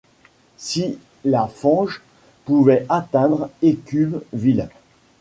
Si la fange pouvait atteindre, écume vile